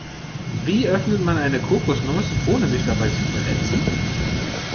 Wie öffnet man eine Kokosnuss, ohne sich dabei zu verletzen?